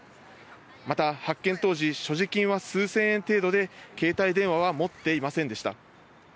また発見当時、所持金は数千円程度で携帯電話は持っていませんでした。